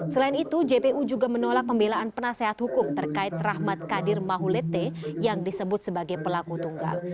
selain itu jpu juga menolak pembelaan penasehat hukum terkait rahmat kadir mahulete yang disebut sebagai pelaku tunggal